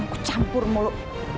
aku campur mulu